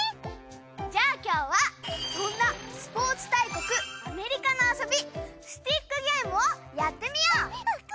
じゃあ今日はそんなスポーツ大国アメリカの遊びスティックゲームをやってみよう。